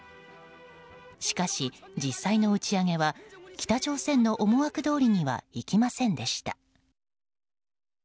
しかし、実際の打ち上げは北朝鮮の思惑どおりには行きませんでした。